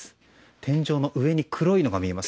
天井の上に黒いのが見えます。